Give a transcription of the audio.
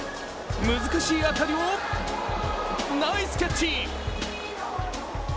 難しい当たりをナイスキャッチ。